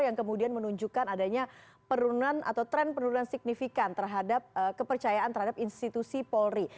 yang kemudian menunjukkan adanya penurunan atau tren penurunan signifikan terhadap kepercayaan terhadap institusi polri